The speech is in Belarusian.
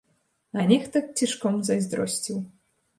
А нехта цішком зайздросціў.